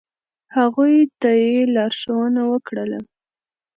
، هغوی ته یی لارښونه وکړه ل